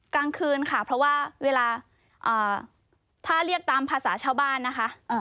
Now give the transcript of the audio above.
กลางคืนค่ะเพราะว่าเวลาถ้าเรียกตามภาษาชาวบ้านนะคะ